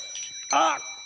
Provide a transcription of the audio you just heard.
あっ！